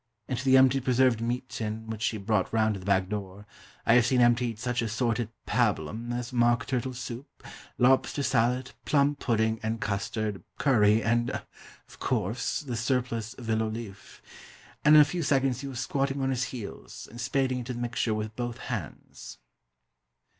Into the empty preserved meat tin which he brought round to the back door I have seen emptied such assorted pabulum as mock turtle soup, lobster salad, plum pudding and custard, curry, and (of course), the surplus vilolif; and in a few seconds he was squatting on his heels, and spading into the mixture with both hands.